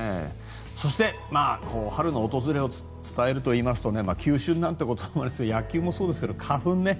そして春の訪れを伝えるといいますと球春なんてこともありますが野球もそうなんですが花粉ね。